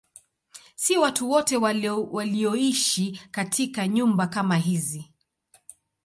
Si watu wote walioishi katika nyumba kama hizi.